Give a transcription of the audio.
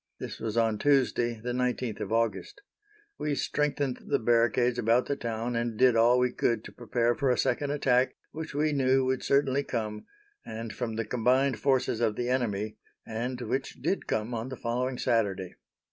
This was on Tuesday, the 19th of August. We strengthened the barricades about the town, and did all we could to prepare for a second attack, which we knew would certainly come, and from the combined forces of the enemy, and which did come on the following Saturday.